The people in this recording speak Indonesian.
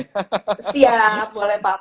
siap boleh pak